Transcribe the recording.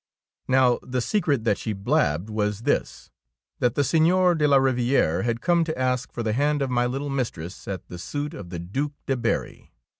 Now the secret that she blabbed was this, — that the Seigneur de la Riviere had come to ask for the hand of my little mistress at the suit of the Due de Berry